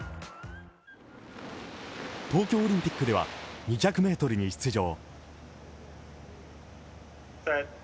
東京オリンピックでは２００ｍに出場。